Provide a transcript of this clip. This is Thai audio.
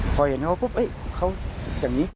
พอเห็นเขาปุ๊บเขาอย่างนี้